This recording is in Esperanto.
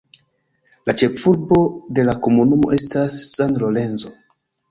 La ĉefurbo de la komunumo estas San Lorenzo.